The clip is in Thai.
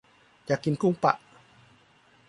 อยากกินกุ้งปะ